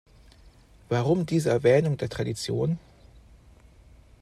Warum diese Erwähnung der Tradition?